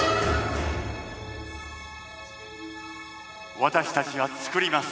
私たちは創ります。